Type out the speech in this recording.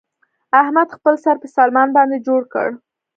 احمد خپل سر په سلمان باندې جوړ کړ.